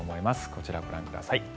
こちらをご覧ください。